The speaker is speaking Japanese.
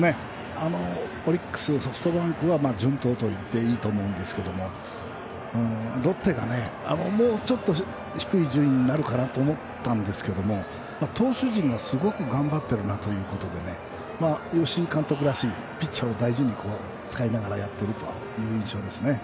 オリックスソフトバンクは順当と言っていいと思うんですけどロッテが、もうちょっと低い順位になるかなと思ったんですが投手陣がすごく頑張っているなということで、吉井監督らしいピッチャーを大事に使いながらやっているという印象ですね。